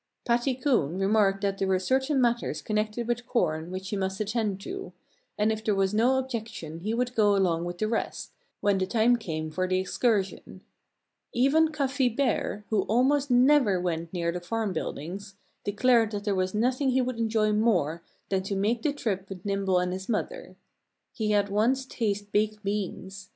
Patty Coon remarked that there were certain matters connected with corn which he must attend to, and if there was no objection he would go along with the rest, when the time came for the excursion. Even Cuffy Bear, who almost never went near the farm buildings, declared that there was nothing he would enjoy more than to make the trip with Nimble and his mother. He had once tasted baked beans.